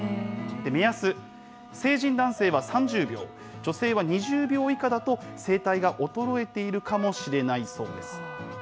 目安、成人男性は３０秒、女性は２０秒以下だと、声帯が衰えているかもしれないそうです。